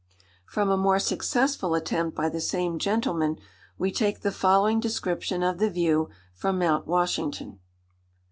From a more successful attempt by the same gentleman, we take the following description of the view from Mount Washington.